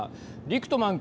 リクトマン